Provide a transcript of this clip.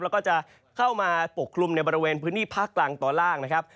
แล้วก็จะเข้ามาปกคลุมในบริเวณพื้นที่ภาคกลางตอนล่างนะครับ